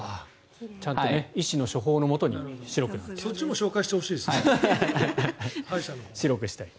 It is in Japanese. ちゃんと医師の処方のもとに白くなっていると。